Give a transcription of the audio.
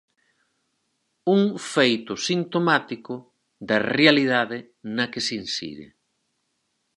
Un feito sintomático da realidade na que se insire.